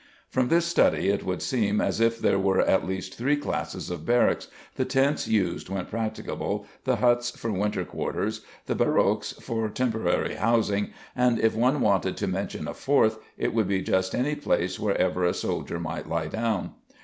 From this study it would seem as if there were at least three classes of barracks, the tents used when practicable, the huts for winter quarters, the barroques for temporary housing, and if one wanted to mention a fourth, it would be just any place where ever a soldier might lie down.